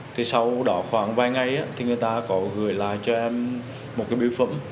thì sau đó khoảng vài ngày thì người ta có gửi lại cho em một cái biêu phẩm